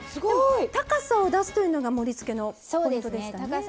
高さを出すというのが盛りつけのポイントでしたね。